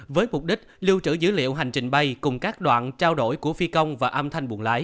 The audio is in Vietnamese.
với mục đích lưu trữ dữ liệu hành trình bay cùng các đoạn trao đổi của phi công và âm thanh buồn lái